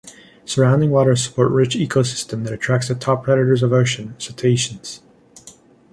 Surrounding waters support rich ecosystem that attracts the top predators of ocean; cetaceans.